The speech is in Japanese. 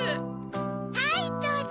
はいどうぞ！